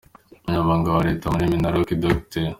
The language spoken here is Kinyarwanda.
Umunyamabanga wa Leta muri Minaloc, Dr.